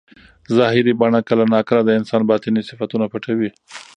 ظاهري بڼه کله ناکله د انسان باطني صفتونه پټوي.